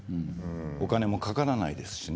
お金もかからないですしね